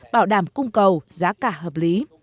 bảo đảm cung cầu giá cả hợp lý